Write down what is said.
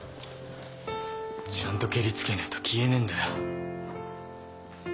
ちゃんとけりつけねえと消えねえんだよ。